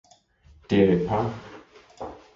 Det er et par.